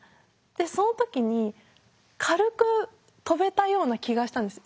でその時に軽く跳べたような気がしたんです。